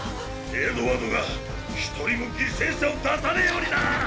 エドワードが１人も犠牲者を出さねぇようにな！！